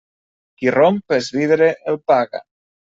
Qui romp es vidre el paga.